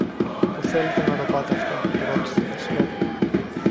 Πού θέλετε να το πάτε αυτό; ρώτησε το Βασιλόπουλο.